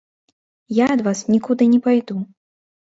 Я ад вас нікуды не пайду.